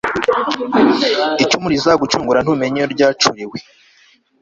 icumu rizagucungura ntumenya iyo ryacuriwe